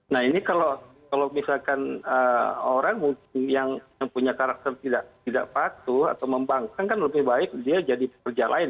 nah ini kalau misalkan orang yang punya karakter tidak patuh atau membangkang kan lebih baik dia jadi pekerja lain